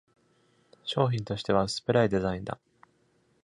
商品としては薄っぺらいデザインだ。